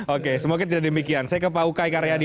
oke semoga tidak demikian saya ke pak ukay karyadi